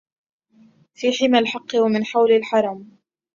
في حمى الحق ومن حول الحرم